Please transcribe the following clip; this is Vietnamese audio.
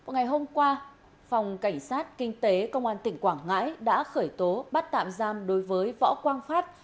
ngày hôm qua phòng cảnh sát kinh tế công an tỉnh quảng ngãi đã khởi tố bắt tạm giam đối với võ quang phát